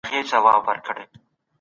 که درس پلان ولري دا تدريس قوي کېږي.